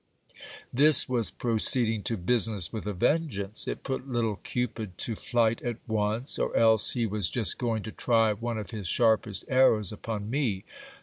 302 GIL BLAS. This was proceeding to business with a vengeance ! It put little Cupid to flight at once : or else he was just going to try one of his sharpest arrows upon me.